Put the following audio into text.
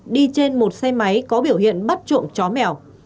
đi trên một xe máy có biểu hiện bắt trộm chó mèo